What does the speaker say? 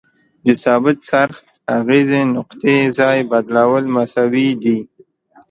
د ثابت څرخ اغیزې نقطې ځای بدلول مساوي دي.